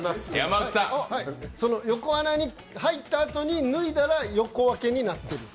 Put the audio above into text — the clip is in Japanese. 横穴に入ったあとに脱いだら横分けになってる。